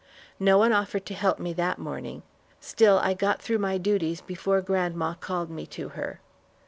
No one offered to help me that morning, still I got through my duties before grandma called me to her.